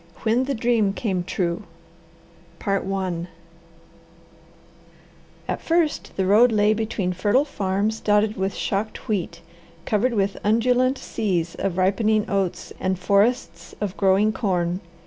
WHEN THE DREAM CAME TRUE At first the road lay between fertile farms dotted with shocked wheat, covered with undulant seas of ripening oats, and forests of growing corn.